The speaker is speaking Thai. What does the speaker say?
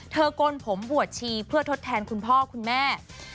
โกนผมบวชชีเพื่อทดแทนคุณพ่อคุณแม่